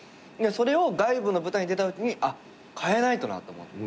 それを外部の舞台に出たときに変えないとなと思って。